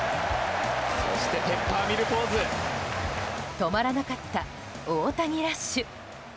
止まらなかった大谷ラッシュ。